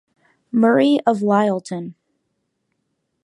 Murray of Lyleton.